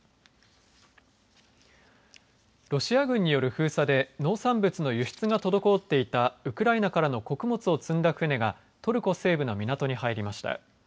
ロシア軍による封鎖で農産物の輸出が滞っていたウクライナからの穀物を積んだ船がトルコ西部の港に入りました。